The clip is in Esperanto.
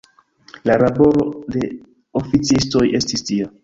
La laboro de oficistoj estis tia.